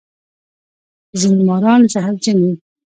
ځینې ماران زهرجن وي